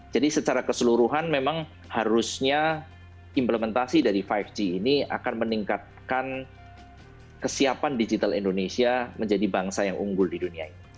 jadi secara keseluruhan memang harusnya implementasi dari lima g ini akan meningkatkan kesiapan digital indonesia menjadi bangsa yang unggul di dunia ini